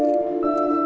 saya akan mengambil alih